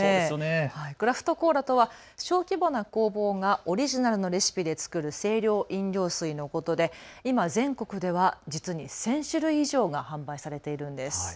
クラフトコーラとは小規模な工房がオリジナルのレシピで作る清涼飲料水のことで今、全国では実に１０００種類以上が販売されているんです。